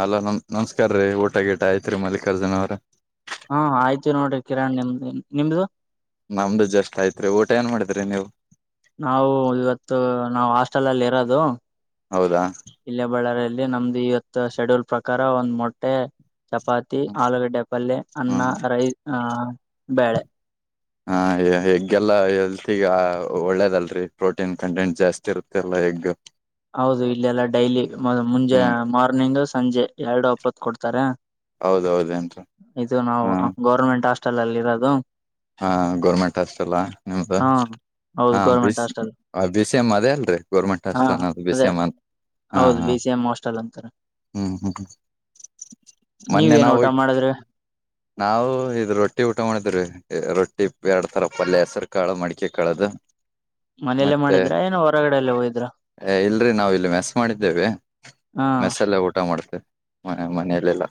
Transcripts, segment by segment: hello ನಮ ನಮಸ್ಕಾರ್ರೀ ಊಟ ಗೀಟ ಆಯ್ತರಿ ಮಲ್ಲಿಕಾರ್ಜುನ ಅವ್ರ ಹ್ಮ ಆಯ್ತು ನೋಡ್ರಿ ಕಿರಣ್ ನಿಮ್ದ ನಿಮ್ದು ನಮ್ದು ಜಸ್ಷ್ಟಟ್ ಆಯ್ತ್ರಿ ಊಟ ಏನ್ ಮಾಡಿದ್ರಿ ನೀವು ನಾವು ಇವತ್ತು ನಾವು ಹಾಸ್ಟೆಲ್ ಅಲ್ಲಿ ಇರೋದು ಹೌದಾ ಇಲ್ಲ ಬಳ್ಳಾರಿಯಲ್ಲಿ ಲ್ಲಿ ನಮ್ದು ಇವತ್ ಶೆಡ್ಯೂಲ್ ಪ್ರಕಾರ ಒಂದ್ ಮೊಟ್ಟೆ ಚಪಾತಿ ಆಲೂಗಡ್ಡೆ ಪಲ್ಯ ಅನ್ನ ಹ್ಮ್ ರೈಸ ಆ ಬೇಳೆ ಹಾ ಹೆಗ್ಗೆ ಎಲ್ಲ ಹೆಲ್ತಿ ಒಳ್ಳೇದಲ್ರರಿ ಪ್ರೋಟೀನ್ ಕಂಟೆಂಟ್ ಜಾಸ್ತಿ ಇರುತ್ತಲ್ಲ ಹೆಗ್ ಹೌದು ಇಲ್ಲೆಲ್ಲ ಡೈಲಿ ಮುಂಜೆ ಹ್ಮ್ ಮಾರ್ನಿಂಗು ಸಂಜೆ ಎರಡು ಅಪ್ಪತ್ ಕೊಡ್ತಾರೆ ಹೌದೌದೇನ್ರಿ ಇದು ನಾವು ಹಾ ಗೌರ್ಮೆಂಟ್ ಹಾಸ್ಟೆಲ್ ಅಲ್ಲಿ ಇರೋದು ಹಾ ಗೌರ್ಮೆಂಟ್ ಹಾಸ್ಪಿಟಲ್ಾ ನಿಮ್ದ ಹಾ ಹಾ ಹೌದು ಬ ಗೌರ್ಮೆಂಟ್ ಹಾಸ್ಟೆಲ್ ಬಿಸಿ ಎ್ ಅದೇ ಅಲ್ರಿೀ ಗೋರ್ಮೆಂಟ್ ಹಾ ಹಾಸ್ಪೆಲ್ ಅನ್ನ ಬಿ ಅದೇ ಸಿ ಮೀ ಹಾ ಹೌದು ಹಾ ಬಿ ಸಿ ಎಂ ಹಾಸ್ಟೆಲ್ ಅಂತಾರೆ ಹ್ಮ್ ಹ್ಮ್ ಮೊನ್ನೆ ನೀವೇನ್ ನಾವ ಊಟ ಮಾಡಿದ್ರಿ ನಾವವು ಇದ ರೊಟ್ಟಿ ಊಟ ಮಾಡಿದ್ರೀ ರೊಟ್ಟಿ ಎರಡ್ ತರ ಪಲ್ಯ ಹೆಸರು ಕಾಳು ಮಡಿಕೆ ಕಾಳ್ದ ಮನೆಯಲ್ಲೇ ಮಾಡಿದ್ರೆ ಏನೋ ಹೊರಗಡೆಲ್ಲ ಹೋಗಿದ್ರ ಏ ಇಲ್ರಿ ನಾವವು ಇಲ್ಲಿ ಮೆಸ್ ಮಾಡಿದ್ದೇವೆ ಹಾ ಮೆಸಲ್ಲ ಊಟ ಮಾಡ್ತೇವೆ ಹ ಮನೆಯಲ್ಲೆಲ್ಲ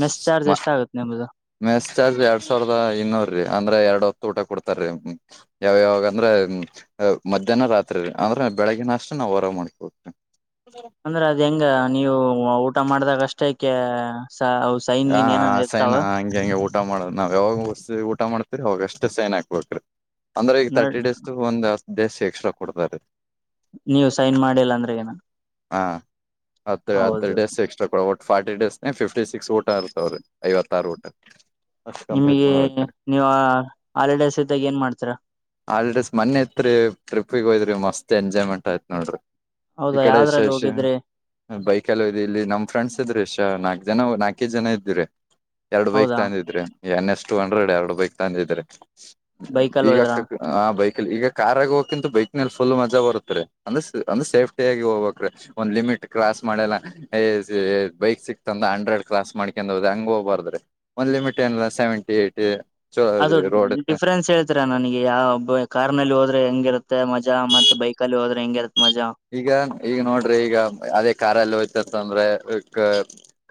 ಮೆಸ್ ಚಾರ್ಜ್ ಎಷ್ಟ ಆಗುತ್ತೆ ನಿಮ್ದು ಮೆಸ್ ಚಾರ್ಜ್ ಎರಡ್ ಸಾವಿರದ ಇನ್ನೂರು ಅಂದ್ರೆ ಎರಡ್ ಹೊತ್ತು ಊಟ ಕೊಡ್ತಾರೀ ಯಾವ ಯಾವ ಅಂದ್ರ ಮಧ್ಯಾಹ್ನ ರಾತ್ರಿ ಂದ್ರ ಬೆಳಗಿನಷ್ಟು ನಾವು ಹೊರ ಮಾಡ್ಕ ಹೋಗತೇವಿ ಅಂದ್ರೆ ಅದ್ ಹೆಂಗ ನೀವು ಊಟ ಮಾಡ್ದಾಗ ಅಷ್ಟಕ್ಕೆ ಹಾ ಸೈನಾ ಹಂಗೆ ಹಂಗೆ ಊಟ ಮಾಡೋ್ ನಾವ್ ಯಾವಾಗಸ್ ಊಟ ಮಾಡ್ತ ಹಾಗಷ್ಟು ಸೈನ್ ಹಾಕ್ಬಬೇಕ್ರೀ ಅಂದ್ರೆ ಈಗ ಅಂದ್ರ ತರ್ಟಿ ಡೇಸ್ ಒಂದ ದೇಸ ಎಕ್ಸ್ಟ್ರಾ ಕೊಡ್ತಾರ ನೀವು್ ಸೈನ್ ಮಾಡಿಲ್ಲ ಅಂದ್ರೆ ಏನ ಅಗತ್ಥದೇ ಹಾ ಹತ್ತ ಹತ್ತ ಡೇಸ್ ಎಕ್ಸ್ಟ್ರಾ ಕೊ ಫಾರ್ಟಿ ಡೇಸ್ನ ಫಿಫ್ಟಿ ಸಿಕ್ಸ್ ಊಟ ಇರ್ತಾವ್ರ ಐವತ್ತಾರು ಊಟ ಅಷ್ಟ್ ಕಂಪ್ಲೀಟ್ ನಿಮಗೆ ಮಾಡ್ಬೇಕ ನೀವ ಆಲಡ ಸಹಿತಾಗ ಏನ್ ಮಾಡ್ತರಾ ಹಾಲಿಡೇಸ್ ಮನೆ ತ್ರಿ ಟ್ರಿಪ್ಗೆ ಹೋದ್ರಿ ಮಸ್ತ್ ಎಂಜಾಯ್ಮೆಂಟ್ ಆಯತತ್ ನೋಡ್ರಿ ಈ ಹೌದಾ ಕಡೆ ಎಷ್ಟ ಯಾವ್ದ್ರಲ್ಲಿ ಎಷ್ಟ ಹೋಗಿದ್ರಿ ಬೈಕ್ ಎಲ್ಲ ಇಲ್ಲಿ ನಮ್ ಫ್ರೆಂಡ್ಸ್ ಇದ್ರರು ಎಷ್ಟಾಗ ಜನ ನಾಲ್ಕೈ್ ಜನ ಇದ್ರರಿ ಎರಡು ಬೈಕ್ ಹೌದಾ ತಂದಿದ್ರಿ ಎನ್ ಎಸ್ ಟು ಹಂಡ್ರೆಡ್ ಎರಡು ಬೈಕ್ ತಂದಿದ್ರೆ ಬೈಕ್ಅಲ್ ಹೋದ್ರ ಹ ಬೈಕ್ಲ್ಲಿ ಈಗ ಕಾರ್ ಆಗ ಹೋಗಕ್ಕಿಂತ ಬೈಕ್ ನಲ್ಲಿ ಫುಲ್ ಮಜಾ ಬರುತ್ತ ರ ಅಂದ್ರೆ ಅಂದ್ ಸೇಫ್ಟಿ ಆಗ ಹೋಗ್ಬೇಕಕ್್ರೆ ಒಂದ್ ಲಿಮಿಟ್ ಕ್ರಾಸ್ ಮಾಡೆಲ್ಲ ಬೈಕ್ ಸಿಕ್ತಂದ ಹಂಡ್ರೆಡ್ ಕ್ರಾಸ್ ಮಾಡ್ಕಂಡ ಹದ ಹಂಗ ಹೋಗಬಾರ್ದ ಒಂದ್ ಲಿಮಿಟ್ ಏನ ಸೆವೆಂಟಿ ಏ್ಟಿ ಅದು ಡಿಫ್ರೆನ್ಸ್ ಹೇಳ್ತರಾ ನನಗೆ ಯಾವ ಕಾರ್ ನಲ್ಲಿ ಹೋದ್ರೆ ಹೆಂಗಿರುತ್ತೆ ಮಜಾ ಮತ್ತೆ ಬೈಕ್ ಅಲ್ಲಿ ಹೋದ್ರೆ ಹೆಂಗಿರುತ್ತೆ ಮಜಾ ಈಗ ಈಗ ನೋಡ್ರಿ ಈಗ ಅದೇ ಕಾರಲ್ಲ ತ್ತ ಅಂದ್ರೆ ಈ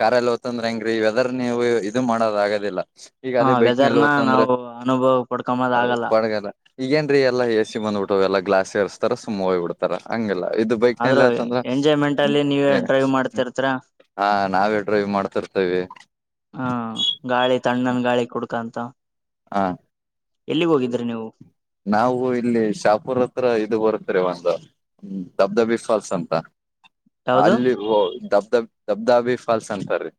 ಕಾರಾರ್ ಎಲ್ಲಿ ಹ್ತಂದ್ರೆ ಹೆಂಗ್ರೀ ವದರ್ ನೀವು ಇದು ಮಾಡೋದ ಆಗೋದಿಲ್ಲ ಈಗ ಹ ಅದೇ ಬೈಕ್ ನಲ್ಲಿ ವೆದರ್ನ ಹ್ತಂದ್ರೆ ನಾವು ಅನುಭವ ಪಡ್ಕೊಂಬದ ಹ ಆಗಲ್ಲ ಬಡ್ಗಲ್ಲ ಈಗೇನ್ರೀ ಎಲ್ಲಾ ಎ ಸಿ ಬಂದ್ಬಟ್ಟ ಎಲ್ಲಾ ಗ್ಲಾಸ್ರ್ಸ್ ರ ಸುಮ್ ಹೋಗ್ ಬಿಡ್ತಾರ ಹಂಗಗೆಲ್ಲ ಇದು ಆದ್ರೂ ಬೈಕ್ನಲ್ಲ ತಂದ್ರ ಎಂಜಾಯ್ಮೆಂಟ್ ಅಲ್ಲಿ ನೀವೇ ಡ್ರೈವ್ ಮಾಡ್ತಿರ್ತರ ಹಾ ನಾವೇ ಡ್ರೈವ್ ಮಾಡ್ತಿರ್ತೇವಿ ಹ್ಮ ಗಾಳಿ ತಣ್ಣನ್ ಗಾಳಿ ಕುಡ್ಕಂತ ಹಾ ಎಲ್ಲಿಗೆ ಹೋಗಿದ್ರಿ ನೀವು ನಾವು ಇಲ್ಲಿ ಶಾಪುರ್ ಹತ್ರ ಇ ಬರ್ತರಿ ಒಂದು ದಬ್ದಬಿ ಫಾಲ್ಸ್ ಅಂತ ಯಾವ್ದು ಅಲ್ಲಿ ದಬ್ದ ದಬ್ದಾಬಿ ಫಾಲ್ಸ್ ಅಂತಾರೀ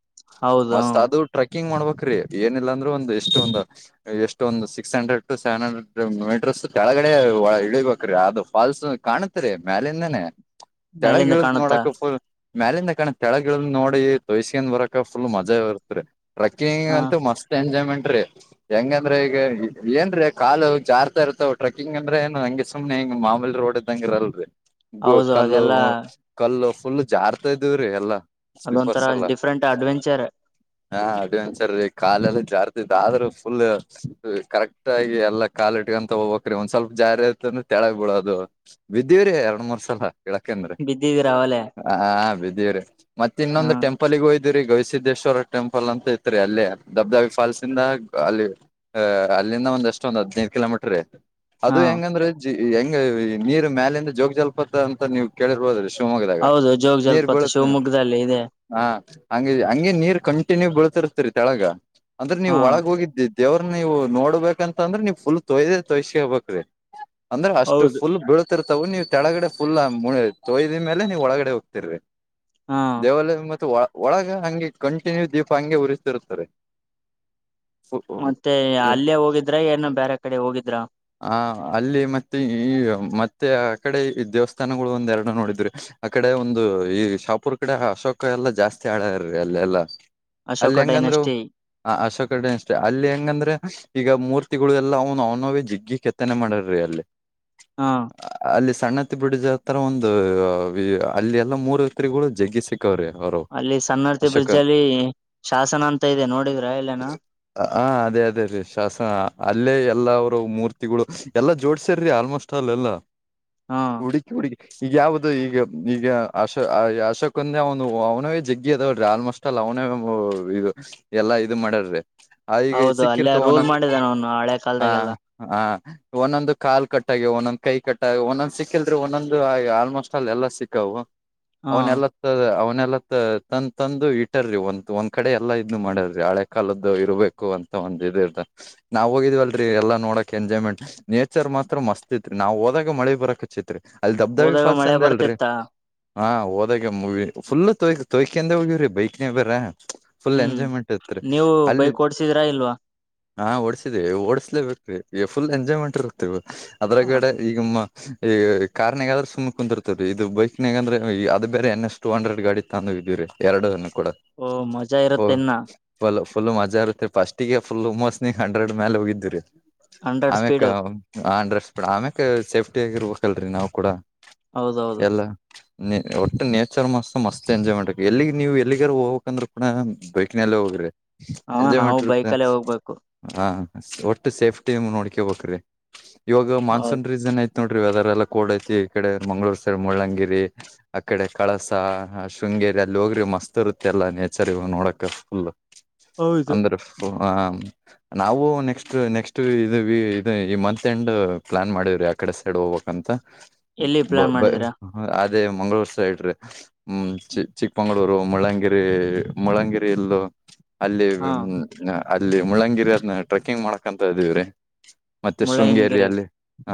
ಹೌದು ಮಸ್ತ್ ಆದುರೆ ಬಕ್ಕಿಂಗ್ ಮಾಡ್ಬೇಕಕ್ ಏನಿಲ್ಲ ಅಂದ್ರೂ ಒಂದು ಎಷ್ಟ ಒಂದಂದು ಎಷ್ಟ ಒಂದು six hundred to seven hundred ಮೀಟ್ರ ಕೆಳಗಡೆ ಒ ಇಳಿಬೇಕ್ರೀ ಅದು ಫಾಲ್ಸ್ ಕಾಣತ್ರಿ ಮೇಾಲಿಂದನನೆ ಕೆಳಗ್ ಮೇಲಿಂದ ಹೇಳುದ ಕಾಣುತ್ತಾ ನೋಡಕಫಲ್ ಮ್ಯಾಲಿಂದ ಕಣ ತಳಗಳಿ ನೋಡಿ ತೋಯ್ಕೊಂಡ ಬರಕ ಫುಲ್ ಮಜಾ ಇರ್ತ್ರಿ ಟ್ರಕ್ಕಿಂಗ್ ಹ ಅಂತೂ ಮಸ್ತ್ ಎಂಜಾಯ್ಮೆಂಟ್ ರೀ ಹೆಂಗಂದ್ರೆ ಈಗ ಏನ್ರೀ ಕಾ ಹ ಜಾರ್ತಾ ಇರ್ತವ ಟ್ರಕಿಂಗ ಅಂದ್ರೆ ಹಂಂಗ ಸುಮನೆ ಹಂಗ ಮಾಮೂಲಿ ರೋಡ್ ಇದಂಗಿರಲ್ರರಿ ಗ ಹೌದು ಕಲ್ಲು ಅದೆಲ್ಲಾ ಕಲ್ಲು ಫುಲ್ಲು ಜಾರ್ತಾ ಇದವ್ರೀ ಎಲ್ಲಾ ಅದೊಂಂತರ ಸ್ವೀಪರ್ಸ್ ಅಲ್ಲ ಡಿಫ್ರೆಂಟ್ ಅಡ್ವೆಂಚರ್ ಹಾ ಅಡ್ವೆಂಚರ್ ರೀ ಕಾಲೆಲ್ಲ ಜಾಸ್ತಿ ಆದ್ರೂ ಫುಲ್ ಕರೆಕ್ಟ್ ಆಗಿ ಎಲ್ಲ ಕಾಲ ಇಟ್ಕಂತ ಹೋಗ್ಕ್ ಒಂದ್ ಸ್ವಲ್ಪ ಜಾರಿ ಆಐತ ಅಂದ್ರೆಳ ಬಿಡೋದು ಬಿದ್ದಿವವ್ರರಿ ಎರಡ್ ಮೂರ್ ಸಲ ಕೆಳಕಂದ್ರೀ ಬಿದ್ದಿದೀರ ಅವಲೆೇ ಹ ಬಿದಿರರಿ ಮತ್ತ ಹ ಇನ್ನೊಂದು ಟೆಂಪಲ್ಗ ಹೋಯ್ತ ಇದರಿ ಗೋಯಿಸಿದ್ದೇಶ್ವರ ಟೆಂಪಲ್ ಅಂತ ಇತ್ರಿ ಅಲ್ಲಿ ದಬ್ದಾ ಫಾಲ್ಸ್ ಇಂದ ಅಲ್ಲಿ ಅಲ್ಲಿಂದ ಒಂದಷ್ಟೊ ಒ ಹದ್ದು ಕಿಲೋಮೀಟರ್ ಇ ಹಾ ಅದು ಹೆಂಗಂದ್ರೆ ಹೆಂಗ ಈ ನೀರು ಮ್ಯಾಲಿಂದ ಜೋಗ ಜಲ್ಪತ ಅಂತ ನೀವು ಕೇಳಿರ್ಬೋದ್ರ ಮಗಿದಾಗ ಹೌದು ಜೋಗ ನೀರ್ ಜಲಪಾತ ಬೀಳುತ್ತ ಶಿವಮೊಗ್ಗದಲ್ಲಿ ಇದೆ ಹಾ ಹಂಗ ಹಂಗೆ ನೀರ್ ಕಂಟಿನ್ಯೂ ಬೀಳ್ತಿರ್ತರಿ ತೆಳಗ ಅಂದ್ರೆ ನೀವು ಹಾ ಒಳಗ ಹೋಗಿದ್ದ ದೇವ್ರ ನೀವು ನೋಡ್ಬೇಕಂತ ಅಂದ್ರೆ ನೀವವು ಫುಲ್ ತೊಯ್ದ ತೋಯ್ಕ ಹಬಕ್ ಅಂದ್ರೆ ಅಷ್ಟ ಹೌದು ಫುಲ್ ಬೀಳತಿ ವು ನೀವು ಕೆಳಗಡೆ ಫುಲ್ ತೊಯ್ದ ಮೇಲೆ ನೀವು ಒಳಗಡೆ ಹೋಗ್ತಿರ್ ಹಾ ದೇವಾಲಯ ಮೆ ಒಳಗ ಹಂಗೆ ಕಂಟಿನ್ಯೂ ದೀಪ ಹಂಗೆ ಉರಿಸಸ್ರ್ತಾರೆ ಮತ್ತೆ ಅಲ್ಲೇ ಹೋಗಿದ್ರೆ ಏನ ಬೇರೆ ಕಡೆ ಹೋಗಿದ್ರ ಹ ಅಲ್ಲಿ ಮತ್ತೆ ಈ ಮ ಮತ್ತೆ ಆ ಕಡೆ ಈ ದೇವಸ್ಥಾನಗಳು ಒಂದ ಎರಡ ನೋಡಿದ್ರೆ ಆ ಕಡೆ ಒಂದು ಈ ಶಾಪೂರ್ ಕಡೆ ಅಶೋಕ ಎಲ್ಲಾ ಜಾಸ್ತಿ ಆಡಾರೀ ಅಲ್ಲೆಲ್ಲಾ ಅಶೋಕ ಅಲ್ಲಿ ಹೆಂಗಂದ್ರು ಡೈನಸ್ಟಿ ಹ ಅಶೋ ಕಡೆ ಅಷ್ಟೆ ಅಲ್ಲಿ ಹೆಂಗಂದ್ರೆ ಈಗ ಮೂರ್ತಿಗಳು ಎಲ್ಲ ನ್ ನೋ ಜಿಗ್ಗಿ ಕೆತ್ತನೆ ಮಾಡರಿ ಅಲ್ಲಿ ಹಾ ಅಲ್ಲಿ ಸಣ್ಣತ್ತ ಬಿಡಿದ ಹತ್ರರ ಒಂದು ಅಲ್ಲಿ ಎಲ್ಲ ಮೂರು ಹತ್ರಿಗಳು ಜಗ್ಗಿ ಸಿ ಅಲ್ಲಿ ಸ್ಣಾರ್ತಿ ಬ್ರಿಡ್ಜ್ ಅಲ್ಲಿ ಶಾಸನ ಅಂತ ಇದೆ ನೋಡಿದ್ರ ಎಲ್ಲನ ಹ ಅದೇ ಅದೇ ಅ ಶ್ವಾಸನ ಅಲ್ಲೇ ಎಲ್ಲ ಅವರು ಮೂರ್ತಿಗಳು ಎಲ್ಲಾ ಜೋಡ್ಸರಿ ಆಲ್ಮೋಸ್ಟ್ ಅಲ್ಲ ಎಲ್ಲಾ ಹಾ ಕುಡಿ ಚ ಕುಡಿ ಈಗ ಯಾವ್ದ ಈಗ ಈಗ ಅ ಅಶಕಂದ ಅವನು ಅವನವ ಜಗ್ಗಿ ಅದಾವಡ್ರಿ ಆಲ್ಮೋಸ್ಟ್ ಅಲ್ಲ ಅವನ ಇದು ಎಲ್ಲಾ ಇದು ಮಾಡಾರ್ರಿ ಹ ಈಗ ಹೌದು ಅಲ್ಲೇ ಸಿಕ್ಕಿರ್ತವ ರೂಲ್ ಒಂದೊಂದು ಮಾಡಿದಾನ ಅವನು ಹಳೆ ಹ ಕಾಲದಾಗೆಲ್ಲ ಹ ಒಂದೊಂದು ಕಾಲ್ ಕಟ್ಟ ಕೆ ಒಂದೊಂದ್ ಕೈ ಕಟ್ಟ ಒಂದೊಂದ್ ಸಿಕ್ಕಲ್ೆ ಒಂದೊಂದಂದು ಆಲ್ಮೋಸ್ಟ್ ಅಲ್ಲಿ ಎಲ್ಲಾ ಸಿಕ್ಕವು ಹಾ ಅವನ್ ಎಲ್ಲ ಅವ ಲ್ಲಾ ತಂದ ತಂದು ಇಟ್ಟರ್ರಿ ಒಂತ ಒಂದ್ ಕಡೆ ಎಲ್ಲಾ ಇದ ಮಾಡ್ಯಾರ್ರಿ ಹಳೆ ಕಾಲದ್ದು ಇರಬೇಕು ಅಂತ ಒ ಇ ಇರ್ತ ನಾವು ಹೋಗಿದ್ವ ಎಲ್ಲ ನೋಡಕ್ ಎಂಜಾಯ್ಮೆಂಟ್ ನೇಚರ್ ಮಾತ್ರ ಮಸ್ತ್ ತ್ರಿ ನಾ ಹೋದಾಗ ಮಳಿ ಬರಕ್ ಚಿತ್ ರಿ ಅಲ್ಲಿ ದಬ್ದಾಬಿ ಹೋದಾಗ ಫಾಲ್ಸ್ ಮಳೆ ಅಂದ ಅಲ್ರಿ ಬರ್ತಿತ್ತಾ ಹಾ ಹೋದಾಗ ಮೂಗವಿ ಫುಲ್ ತೋಯ ತೋಯಕಂದ ಹೋಗಿವವ್ರಿ ಬೈಕ್ನ ಬ್ರ ಫುಲ್ ಹ್ಮ್ ಎಂಜಾಯ್ಮೆಂಟ್ ಇತ್ರಿ ನೀವು ಅಲ್ಲಿ ಬೈಕ್ ಓಡ್ಸಿದ್ರಾ ಇಲ್ವಾ ಹಾ ಓಡ್ಸಿದೆ ಓಡಿಸಲೇಬೇಕೇಕ್ರೀ ಫುಲ್ ಎಂಜಾಯ್ಮೆಂಟ್ ಇರುತ್ತೆವ ಹ ಅದ್ರಗಡೆ ಈಗಮ್ಮ ಈ ಕಾರ್ನ್ಗಾದ್ರೆ ಸುಮ್ಮ್ ಕುಂತಿರ್ತದೆ ಇದು ಬೈಕ್ಗಂದ್ರೆ ಅದ ಬೇರೆ ಎನ್ ಎಸ್ ಟು ಹಂಡ್ರೆಡ್ ಗಾಡಿ ಇತ್ತ ಅಂದ ಎರಡನ್ನು ಕೂಡಲ ಓ ಮಜಾ ಇರುತ್ತೆ ಇನ್ನ ಫುಲ್ ಮಜಾ ಇರುತ್ತೆಫಸ್ ಫುಲ್ ಮೋಸ್ನ ಹಂಡ್ರೆಡ್ ಮೇಲೆ ಹೋಗಿದ್ರರಿ ಹಂಡ್ರೆಡ್ ಆಮ್ಯಕ್ ಸ್ಪೀಡ್ ಆಂಡ್ರಡ ಆಮ್ಯಕ್ ಸೇಫ್ಟಿ ಆಗಿ ಇರ್ಬೇಕಲ್ರರಿ ನಾವವು ಕೂಡ ಹೌದೌದು ಎಲ್ಲ ಒಟ್ಟು ನೇಚರ್ ಮಸ್ತ್ ಮಸ್ತ್ ಎಂಜಾಯ್ ಮಾಡಂ ಎಲ್ಲಿ ನೀವ್ ಎಲ್ಲಿಗಾರು ಹೋಗಕ್ಂದ್ರ ಕೂಡ ಬೈಕನಲ್ಲ ಹೋಗ್ರಿ ಹ ಎಂಜಾಯ್ ನಾವು ಮಾಡ ಬೈಕಲ್ಲೇ ಹೋಗ್ಬೇಕು ಹಾ ಒಟ್ಟು ಸೇಫ್ಟಿ ನೋಡ್ಕೋಬೇಕ್ರೀ ಇವಾಗ ಮಾನ್ಸೂನ್ ಹೌದು ರೀಸನ್ ಐತ್ ನೋಡ್ರಿ ವದರ್ ಎಲ್ಲ ಕೋಡ್ ಐತಿ ಈ ಕಡೆ ಮಂಗಗಳೂರ್ ಸೈಡ್ ಮುಳ್ಳಂಗಿರಿ ಆ ಕಡೆ ಕಳಸಾ ಶಂಗ ಹಂಗರಿ ಅಲ್ಲಿ ಹೋಗ್ರಿ ಮಸ್ತ್ ಇರುತ್ತೆ ಅಲ್ಲ ನೇಚರ್ ಇ ನೋಡಕಕ್ ಫುಲ್ ಹೌದು ಅಂದ್ರೆ ಹ ನಾವು ನೆಕ್ಸ್ಟ್ ಇದು ಇದು ಈ ಮಂತ್ ಎಂಡ್ ಪ್ಲಾನ್ ಮಾಡಿದ್ರಿ ಆ ಕಡೆ ಸೈಡ್ ಹೋಗ್ಬೇಕಕ್ ಅಂತ ಎಲ್ಲಿ [inaudible] ಪ್ಲಾನ್ ಬ ಮಾಡಿದೀರಾ ಅದೇ ಮಂಗಗಳೂರು ಸೈಡ್ ಹ್ಮ ಚಿ ಚಿಕ್ಕಮಂಗಗಳೂರು ಮುಳ್ಳಂಗಿರಿ ಮುಳ್ಳಂಗಿರಿ ಇಲ್ಲೂ ಅಲ್ಲಿ ಹಾ ಅಲ್ಲಿ ಮುಳ್ಳಂಗಿರಿ ಅದ್ನ ಟ್ರೆಕ್ಕಿಂಗ್ ಮಾಡಕಂತ ಇದೀವ್ರಿ ಮತ್ತೆ ಮುಳ್ಳಯ್ಯನಗಿರಿ ಶೃಂಗೇರಿಯಲ್ಲಿ ಹ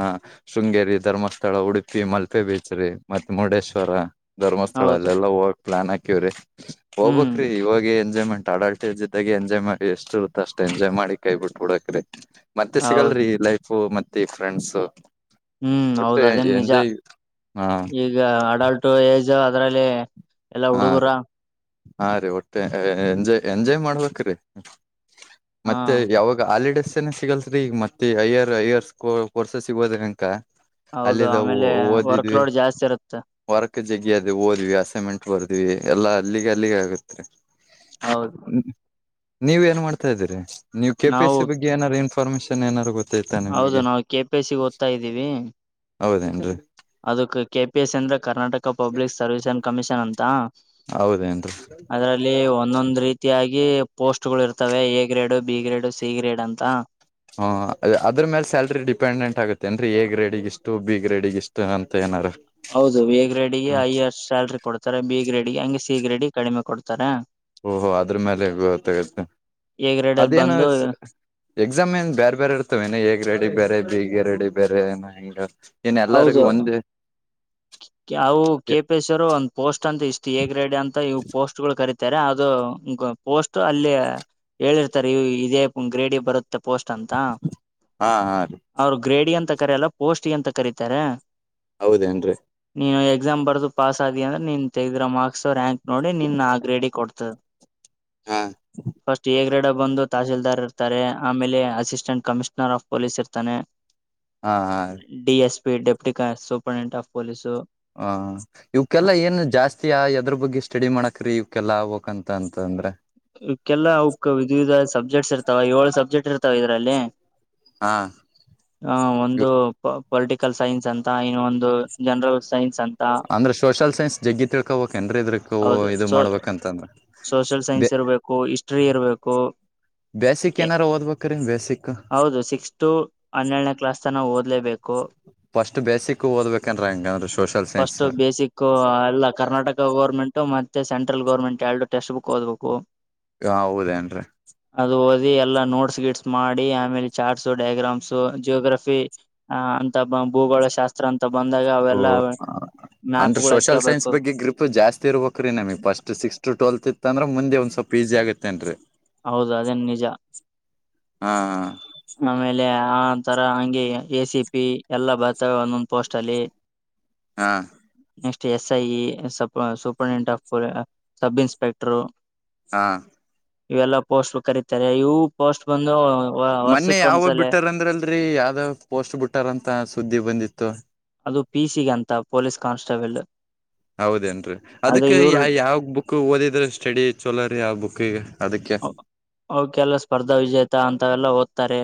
ಶೃಂಗೇರಿ ಧರ್ಮಸ್ಥಳ ಉಡುಪಿ ಮಲ್ಪೆ ಬೀಚ್ ರೀ ಮತ್ತ ಮುರುಡೇಶ್ವರ ಧರ್ಮಸ್ಥಳ ಹೌದು ಅಲ್ಲೆಲ್ಲಾ ಹೋಗಕ್ ಪ್ಲಾನ್ ಹಾಕವ್ರಿ ಹ್ಮ್ ಹೋಗ್ಬಕ್ ಇವಾಗ ಏನ್ ಎಂಜಾಯ್ಮೆಟ್ ಅಡಟ್ಟೇಜ ಇದಾಗ ಎಂಜ್ ಮಾಡಿ ಎಷ್ಟ ಇರುತ್ತ ಅಷ್ಟ ಎಂಜಾಯ್ ಮಾಡಿ ಕೈ ಬಿಟ್ಟ ಹುಡಕ್ರೆ ಮತ್ತೆ ಹೌದು ಸಿಗಲ್ರಿ ಲೈಫ್ ಮತ್ತೆ ಫ್ರೆಂಡ್ಸ್ ಹ್ಮ್ ಹೌದ್ ಒಟ್ಟೆ ಅದೇನ್ ನಿಜ ಎಂಜಾಯ್ ಹಾ ಈಗ ಅಡಲ್ಟ್ ಏಜ್ ಅದ್ರಲ್ಲಿ ಎಲ್ಲಾ ಹಾ ಹುಡುಗರ ರೀ ಹಾ ರೀ ಒಟ್ಟೆ ಎಂಜಾಯ್ ಎಂಜಾಯ್ ಮಾಡ್ಬೇಕಕ್ ಹಾ ಮತ್ತೆ ಯಾವಾಗ ಆಲ್ಡೆ ಸಿಗಲ್ತ ಈಗ ಮತ್ತೆ ಐಯರ್ ಐಯರ್ಸ್ ಕೋರ್ಸ ಸಿಗೋದ ಅನಕ ಹೌದು ಅಲ್ಲಿದ್ದ ಆಮೇಲೆ ವರ್ಕ್ ಓದಿದ್ವಿ ಲೋಡ್ ಜಾಸ್ತಿ ಇರುತ್ತೆ ವರ್ಕ್ ಚಕ್ಕ ಜಗಿ ಅದ ಹೊದ್ವಿ ಅಸೆಮೆಂಟ್ ಬರ್ದ್ವಿ ಎಲ್ಲಾ ಅಲ್ಲಿಗೆ ಅಲ್ಲಿಗೆ ಆಗತ್ರಿ ಹೌದು ನೀವ ಏನ್ ಮಾಡ್ತಾ ಇದೀರಿ ನೀವು ಕೆ ಪಿ ಎಸ್ ನಾವು ಸಿ ಬಗ್ಗೆ ಏನಾರರು ಇನ್ಫಾರ್ಮೇಶನ್ ಏನಾರರು ಗೊತ್ತ ಹೌದು ನಾವು ಕೆಪಿ ಸಿ ಓದ್ತಾ ಇದ್ದೀವಿ ಹೌದೇನ್ರಿ ಅದಕ್ ಕೆ ಪಿ ಎಸ್ ಅಂದ್ರೆ ಕರ್ನಾಟಕ ಪಬ್ಲಿಕ್ ಸರ್ವಿಸಸ ಅನ್ ಕಮಿಷನ್ ಅಂತ ಹೌದೇನ್ರಿ ಅದರಲ್ಲಿ ಒಂದೊಂದ್ ರೀತಿಯಾಗಿ ಪೋಸ್ಟ್ ಗಳು ಇರ್ತವೆ A grade B grade C grade ಅಂತ ಹ ಅದ್ರ ಮೇಲೆ ಸ್ಯಾಲ್ರಿ ಡಿಪೆಂಡೆಂಟ್ ಆಗುತ್ತೆ ಅಂದ್ರೀ ಎ ಗ್ರೇಡ್ಗೆ ಇಷ್ಟು ಬಿ ಗ್ರೇಡಿಗ ಇಷ್ಟು ಅಂತ ಏನಾರ ಹೌದು ವಿ ಗ್ರೇಡ್ಗೆ ಹ್ಮ ಐ ಅಷ್ಟ ಸ್ಯಾಲ್ರಿ ಕೊಡ್ತಾರೆ ಬಿ ಗ್ರೇಡ್ಗೆ ಹಂಗೆ ಸಿ ಗ್ರೇಡ್ಗೆ ಕಡಿಮೆ ಕೊಡ್ತಾರೆ ಓಹೋ ಅದ್ರ ಮೇಲೆ ಗೊತ್ತಾಗತ್ತೆ ಎ ಗ್ರೇಡ್ ಅಲ್ಲಿ ಅದೇನು ಬಂದು ಎಕ್ಸಾಮ್ ಏನ್ ಬೇರೆ ಬೇರೆ ಇರ್ತವ ಏನ ಹೇಗ್ ರೆಡಿ ಬೇರೆ ಬೀಗ ರೆಡಿ ಬೇರೆ ಏನ್ ಎಲ್ಲರಿಗೂ ಹೌದು ಒಂದು ಅವು ಕೆಪಿ ಎಸ್ ಅವರು ಒಂದ್ ಪೋಸ್ಟ್ ಅಂತ ಇಷ್ಟು ಎ ಗ್ರೇಡ್ ಅಂತ ಇವು ಪೋಸ್ಟ್ ಗಳು ಕರಿತವಿ ಇ ಅದು ಪೋಸ್ಟ್ ಅಲ್ಲಿ ಹೇಳಿರ್ತಾರೆ ಇದೇ ಗ್ರೇಡಿ ಬರುತ್ತ ಪೋಸ್ಟ್ ಅಂತ ಹಾ ಹಾ ರೀ ಅವರು ಗ್ರೇಡ್ ಅಂತ ಕರಲ್ಲ ಪೋಸ್ಟ್ ಎಂತ ಕರಿತ ಇತಾರ ಹೌದೇನ್ರರಿ ನೀ ಎಕ್ಸಾಮ್ ಬರ್ದು ಪಾಸ್ ಆದಿ ಅಂದ್ರೆನ್ ತೆಗೆದಿರೋ ಮಾರ್ಕ್ಸ್ ರ್ಯಾಂಕ್ ನೋಡಿ ನಿನ್ ಆ ಗ್ರೇಡಿ ಕೊಡ್ತದೆ ಹಾ ಫಸ್ಟ್ ಗ್ರೇಡ ಒಂದು ತಹಸೀಲ್ದಾರ್ ಇರ್ತಾರೆ ಆಮೇಲೆ ಅಸಿಸ್ಟೆಂಟ್ ಕಮಿಷ್ನರ್ ಆಫ್ ಪೊಲೀಸ್ ಇರ್ತಾನೆ ಹಾ ಹಾ D S deputy superintendent of police ಹ ಇವಕ್ಕೆಲ್ಲ ಏನು ಜಾಸ್ತಿಯ ಎದ್ರ ಬಗ್ಗೆ ಇಷ್ಟ ಸ್ಟಡಿ ಮಾಡಕ್ರೀ ಇವ್ಕ್ಕೆಲ್ಲ ಆಗ್ಬೇಕಕ್ ಅಂತ ಅಂತ ಅಂದ್ರೆ ಇಕ್ಕೆಲ್ಲ ಅವಕ್ ವಿಧ ವಿಧ ಸಬ್ಜೆಕ್ಟ್ಸ್ ಇರ್ತಾವ ಏಳ ಸಬ್ಜೆಕ್ಟ್ ಇರ್ತಾವ ಇದ್ರಲ್ಲಿ ಹಾ ಹಾ ಒಂದು ಪೊಲಿಟಿಕಲ್ ಸೈನ್ಸ್ ಅಂತ ಇನ್ನ ಒಂದು ಜನರಲ್ ಸೈನ್ಸ್ ಅಂತ ಅಂದ್ರೆ ಸೋಷಲ್ ಸೈನ್ಸ್ ಜಗ್ಗಿ ತಿಳ್ಕೊಬಕ್ ಏನ್ರಿ ಇದ್ರಕ ಹೌದು ಇದು ಸೋ ಮಾಡ್ಬೇಕಂತಂದ್ರ ಸೋಷಿಯಲ್ ಬೆ ಸೈನ್ಸ್ ಇರಬೇಕು ಹಿಸ್ಟ್ರಿ ಇರ್ಬೇಕು ಬೇಸಿಕ್ ಏನಾರ ಓದ್ಬೇಕ್ರೀ ಬೇಸಿಕ್ ಹೌದು ಸಿಕ್ಸ್ ಟ ಹನ್ನೆರಡನೇ ಕ್ಲಾಸ್ ಓದ್ಲೇಬೇಕು ಫಸ್ಟ್ ಬೇಸಿಕ್ ಓದ್ಬೇಕೇನ್ರಿ ಹಂಗಂದ್ರ ಸೋಷಲ್ ಸೈನ್ಸ್ ಫಸ್ಟ್ ಬೇಸಿಕ್ ಎಲ್ಲ ಕರ್ನಾಟಕ ಗರ್ಮೆಂಟ್ ಮತ್ತೆ ಸೆಂಟ್ರಲ್ ಗೌರ್ಮೆಂಟ್ ಎರಡು ಟೆಕ್ಸ್ಟ್ ಬುಕ್ ಓದಬೇಕು ಹ ಹೌದೇನ್ರೀ ಎಲ್ಲಾ ನೋಟ್ಸ್ ಗಿಟ್ಸ್ ಮಾಡಿ ಆಮೇಲೆ ಚಾರ್ಟ್ಸ್ ಡಯಾಗ್ರಾಮ್ಸ್ ಜಿಯೋಗ್ರಾಪಿ ಆ ಅಂತ ಭೂಗೋಳ ಶಾಸ್ತ್ರ ಅಂತ ಬಂದಾಗ ಓ ಅವೆಲ್ಲ ಅಂದ್ರ ಮ್ಯಾಪ್ಗಳು ಸೋಷಲ್ ಸೈನ್ಸ್ ಹಾಕಬೇಕು ಬಗ್ಗೆ ಗ್ರಿಪ್ ಜಾಸ್ತಿ ಇರ್ಬೇಕ್ರೀ ನಮಗ್ ಫಸ್ಟ್ ಸಿಕ್ಸ್ತ್ ಟ್ವೆಲ್ತ್ ಇತ್ತ ಅಂದ್ರ ಮುಂದೆಂದ ಸ್ವಲ್ಪ ಇಜಿ ಆಗತ್ತೇನ್ರಿ ಹೌದು ಅದೇನ್ ನಿಜ ಹಾ ಆಮೇಲೆ ಆಂತರ ಹಂಗೆ ಎ ಸಿ ಪಿ ಎಲ್ಲ ಬರ್ತವೆ ಒಂದೊಂದ್ ಪೋಸ್ಟ್ ಅಲ್ಲಿ ಹಾ ನೆಕ್ಸ್ಟ್ ಎಸ್ ಐಇ ಸ ಸೂಪರ್ ಡೆಂಟ್ ಆಫ್ ಸಬ್ಇನ್ಸ್ಪೆಕ್ಟರ್ ಹಾ ಇವೆಲ್ಲಾ ಪೋಸ್ಟ್ ಕರೀತಾರೆ ಇವು ಪೋಸ್ಟ್ ಬಂದು ಮೊನ್ನೆ ವರ್ಷಕ್ ಯಾವಾಗ್ ಒಂದ್ಸಲ ಬಿಟ್ಟಾರಂದ್ರಲ್ರರಿ ಯಾವ್ದಾವ್ ಪೋಸ್ಟ್ ಬಿಟ್ಟಾರಂತ ಸುದ್ದಿ ಬಂದಿತ್ತು ಅದು ಪಿ ಸಿ ಗೆ ಅಂತ ಪೊಲೀಸ್ ಕಾನ್ಸ್ಟೇಬಲ್ ಹೌದೇನ್ರರಿ ಆದ್ರೆ ಅದಕ್ಕೆ ಇವ್ರು ಯಾವ್ ಬುಕ್ ಓದಿದ್ರ ಸ್ಟಡಿ ಚಲೋರೀಆ ಬುಕ್ಕಿಗೆ ಈಗ ಅವಕೆಲ್ಲ ಸ್ಪರ್ಧಾ ವಿಜೇತ ಅಂತವೆಲ್ಲ ಓದ್ತಾರೆ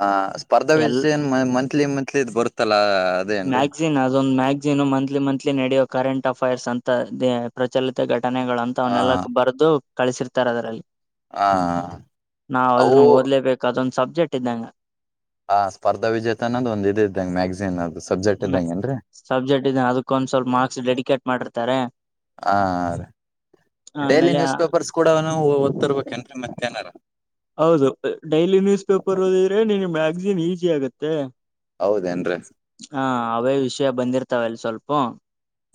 ಹ ಸ್ಪರ್ಧಾ ಏನ್ ಎಲ್ ಏನ್ ಮಂತ್ಲಿ ಮಂತ್ಲಿದ್ ಬರುತ್ತಲ್ಲ ಅದೇನ್ರಿ ಮ್ಯಾಗ್ಸಿನ್ ಅದು ಒಂದು ಮ್ಯಾಗ್ಸಿನು ಮಂತ್ಲಿ ಮಂತ್ಲಿ ನಡೆಯುವ ಕರೆಂಟ್ ಅಫೈರ್ಸ್ ಅಂತ ಪ್ರಚಲಿತ ಗಟ್ಟ ಘಟನೆಗಳು ಹ ಅಂತವನೆಲ್ಲ ಬರೆದು ಕಳಸಿರ್ತಾರೆ ಅದರಲ್ಲಿ ಹ ನಾವ ಅವು ಅದನ್ನು ಓದ್ಲೇಬೇಕು ಅದೊಂದು ಸಬ್ಜೆಕ್ಟ್ ಇದ್ದಂಗ ಹಾ ಸ್ಪರ್ಧಾಜೇತ ಅನ್ನೋ ಒಂದ ಇದ್ದಂಗೆ ಮ್ಯಾಗಸಿನ್ ಅದು ಸಬ್ಜೆಕ್ಟ್ ಮ ಇದ್ದಂಗ ಏನ್ರರಿ ಸಬ್ಜೆಕ್ಟ್ ಇದ ಅದಕ್ಕೊ ಒಂದ್ ಸ್ವಲ್ಪ ಮಾರ್ಕ್ಸ್ ಡೆಡಿಕೇಟ್ ಮಾಡಿರ್ತಾರೆ ಹ ರೀ ಡೈಲಿ ಆಮೇಲೆ ನ್ಯೂಸ್ ಪೇಪರ್ಸ್ ಕೂಡನು ಓದ್ತಿರ್ಬೇಕೇನ್ರೀ ಮತ್ತೆ ಏನಾರ ಹೌದು ಡೈಲಿ ನ್ಯೂಸ್ ಪೇಪರ್ ಓದಿದ್ರೆ ನಿನ್ ಮ್ಯಾಗಜಿನ್ ಈಸಿ ಆಗತ್ತೆ ಹೌದೇನ್ರರಿ ಹಾ ಅವೇ ವಿಷಯ ಬಂದಿರ್ತಾವಲ್ಲಿ ಸ್ವಲ್ಪ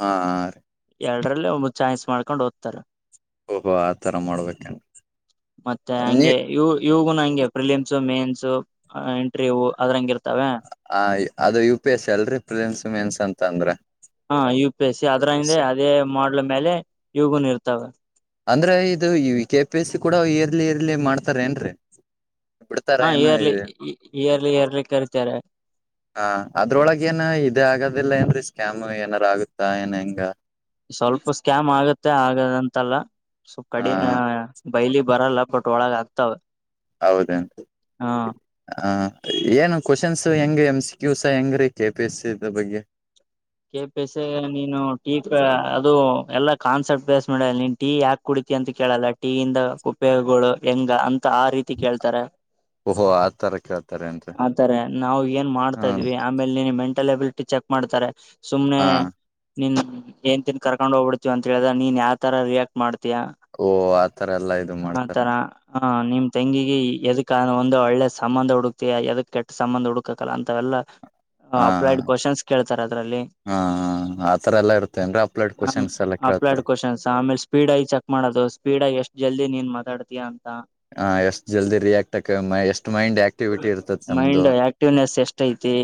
ಹಾರೀ ಎರಡರಲ್ಲಿ ಒಂದು ಚಾಯನ್ಸ್ ಮಾಡ್ಕೊಂಡು ಓದ್ತಾರೆ ಓಹೋ ಆತರ ಮಾಡಬೇಕೇನು ಇವಗೂನು ಹಂಗೆ ಫಿಲಿಮ್ಸ್ ಮೇನ್ಸ್ ಇಂಟ್ರವ್ಯೂ ಅದ್ರಂಗ ಇರ್ತ ಅದು ಯು ಪಿ ಎಸ್ ಅಲ್ರರಿ ಪ್ರೆಸೆನ್ಸ್ ಮೆನ್ಸ್ ಅಂತ ಅಂದ್ರ ಹಾ ಯು ಪಿ ಎಸ್ ಸಿ ಅದ್ರ ಹಿಂದೆ ಅದೇ ಮಾಡಲ್ ಮೇಲೆ ಇಗುನ್ ಇರ್ತಾವೆ ಅಂದ್ರೆ ಇದು ಈ ಕೆ ಪಿ ಎಸ್ ಸಿ ಕೂಡ ಇಯರ್ ಇಯರ್ ಮಾಡ್ತಾರ ಏನ್ರೀ ಬಿಡ್ತಾರ ಹಾ ಏನ ಇ ಇಯರ್ಲಿ ಇಯರ್ಲಿ ಇಯರ್ಲಿ ಕರಿತಾರೆ ಹ ಅದ್ರೊಳಗ ಏನ್ ಇದೇ ಆಗದಿಲ್ಲ ಏನ್ರೀ ಸ್ಕ್ಯಾಮ್ ಏನಾರ ಆಗುತ್ತಾ ಏನ್ ಹೆಂಗ ಸ್ವಲ್ಪ ಸ್ಕ್ಯಾಮ್ ಆಗತ್ತೆ ಆಗದಂತಲ್ಲವ ಹಾ ಕಡಿ ಬೈಲಿ ಬರಲ್ಲ ಬಟ್ ಒಳಗ ಆಗ್ತಾವ ಹೌದ ಹ ಹ ಏನು ಕ್ವನ್ಸ್ ಹೆಂಗ ಎಮ್ ಸಿ ಕ್ಯ ಸ ಹೆಂಗ ರೀ ಕೆ ಪಿ ಎಸ್ಸ ಬಗ್ಗೆ ಕೆ ಪಸ ನೀನು ಟೀ ಅದು ಎಲ್ಲಾ ಕಾನ್ಸರ್ಟ್ ಪ್ಸ್ ಮಾಡ ನೀನ್ ಟೀ ಯಾಕ್ ಕುಡ ರೀ ಅಂತ ಕೇಳಲ್ಲ ಟೀಯಿಂದ ಉಪಯೋಗಳು ಹೆಂಗ ಅಂತ ಆ ರೀತಿ ಕೇಳ್ತಾರೆ ಓಹೋ ಆತರ ಕೇಳ್ತಾರ ಏನ್ರಿ ಆತಾರೆ ನಾವವು ಏನ್ ಮಾಡ್ತಾ ಹ ಇದ್ವಿ ಆಮೇಲೆ ನೀನು ಮೆಂಟಲ್ ಎಬಿಲ್ ಚೆಕ್ ಮಾಡ್ತಾರೆ ಸುಮ್ನೆ ಹಾ ನಿ ಏನ್ ತಿನ್ ಕರ್ಕೊಂಡ ಹೋಗ್ಬಿಡ್ತಿವಿ ಅಂತ ಹೇಳ್ರ ನೀನ್ ಯಾವ ತರ ರಿಾಕ್ಟ್ ಮಾಡ್ ಓ ಆತರ ಎಲ್ಲಾ ಇದು ಮಾಡ್ತಾರ ಆಥರ ಹ ನಿಮ್ ತಂಗಿಗೆ ಎದಕ್ ಒಂದು ಒಳ್ಳೆ ಸಂಬಂಧ ಹುಡುಕ್ತಯಾ ಎದಕ್ ಕೆಟ್ಟ ಸಂಬಂಧ ಹುಡುಕಕಲ್ಲ ಅಂತವೆಲ್ಲ ಹಾ ಅಪ್ಲಡ್ ಕ್ವಶನ್ಸ್ ಕೇಳ್ತಾರೆ ಅದ್ರಲ್ಲಿ ಹಾ ಆತರ ಎಲ್ಲಾ ಇರ್ತೇನ್ರಿ ಅಪ್ಲೈಡ್ ಆ ಕ್ವಶನ್ಸ್ ಎಲ್ಲ ಕೇಳ್ತಾರ ಅಪ್ಲಡ್ ಕ್ವಶನ್ಸ್ ಆಮೇಲೆ ಸ್ಪೀಡ್ ಆಐ ಚೆಕ್ ಮಾಡದು ಸ್ಡ್ ಎಷ್ಟ್ ಜಲ್ದಿ ನೀನ್ ಮಾತಾಡ್ತಿಯಯ ಅಂತ ಹ ಎಷ್ಟ್ ಜಲ್ದಿ ರಿಯಾಕ್ಟ್ ಆಕ ಎಷ್ಟ್ ಮೈಂಡ್ ಆಕ್ಟಿವಿಟಿ ಇರ್ತತಿ ನಮ್ದು ಮೈಂಡ್ ಆಕ್ಟಿವ್ನೆಸ್ ಎಷ್ಟೈತಿ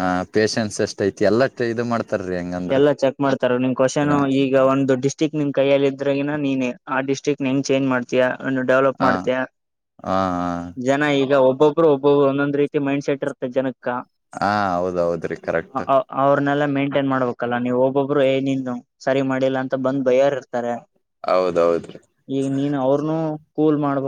ಹ ಪೇೇಶನ್ಸ್ ಎಷ್ಟ ಐತಿ ಎಲ್ಲ ಇದು ಮಾಡ್ತ ಎಲ್ಲ ಚೆಕ್ ಮಾಡ್ತಾರ ನಿಮ್ ಕ್ವಶನ್ ಹ ಈಗ ಒಂದು ಡಿಸ್ಟ್ರಿಕ್ಟ್ ನಿಮ್ ಕೈಯಲ್ಲಿ ಇದ್ರಗಿನ ನೀ ಆ ಡಿಸ್ಟ್ರಿಕ್ ್ಟ ಹೆಂಗ್ಮ್ ಚೇಂಜ್ ಮಾಡ್ತಯ ಒ ಡೆವಲಪ್ ಹ ಹ ಮಾಡ್ತಯ ಜನ ಈಗ ಒಬ್ ಒಬ್ರು ಒಬ್ಬ ಒಂದೊಂದ ರೀತಿ ಮೈಂಡ್ಟ್ ಇತ್ತೆ ಜನಕ್ಕೆ ಹಾ ಹೌದೌದ್ರಿ ಕರೆಕ್ಟ್ ಅವ್ರ ನಲ್ಲ ಮ ಟನ್ ಮಾಡ್ಬೇಕಲ್ಲ ನೀವು ಒಬ್ಬೊಬ್ರು ಏನ ಸರಿ ಮಾಡಿಲ್ಲ ಅಂತ ಬಂದ್ ಬಯರ್ ಇರ್ತಾರೆ ಹೌದೌದ್ರಿ ಈಗ ನೀನು ಅವ್ರನು ಕೂಲ್ ಮಾಡ್ಬೋ